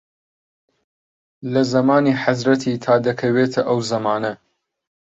لە زەمانی حەزرەتی تا دەکەوێتە ئەو زەمانە